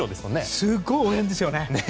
すごい応援ですよね。